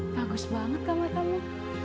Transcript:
bagus banget kamar kamu